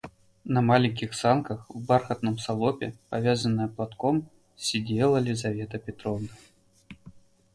На маленьких санках, в бархатном салопе, повязанная платком, сидела Лизавета Петровна.